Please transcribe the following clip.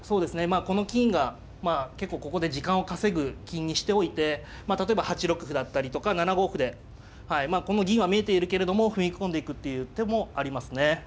まあこの金が結構ここで時間を稼ぐ金にしておいて例えば８六歩だったりとか７五歩ではいまあこの銀は見えているけれども踏み込んでいくっていう手もありますね。